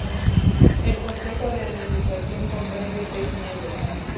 El Consejo de Administración comprende seis miembros.